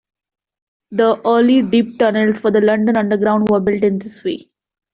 The early deep tunnels for the London Underground were built in this way.